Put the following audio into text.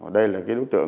ở đây là cái đối tượng